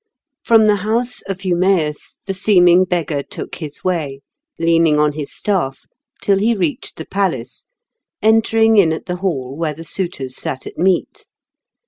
From the house of Eumaeus the seeming beggar took his way, leaning on his staff, till he reached the palace, entering in at the hall where the suitors sat at meat.